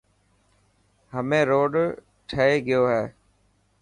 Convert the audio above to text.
همي روڊ ٺهي گيو هي.